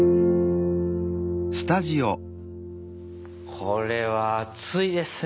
これは熱いですね